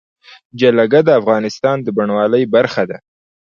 جلګه د افغانستان د بڼوالۍ برخه ده.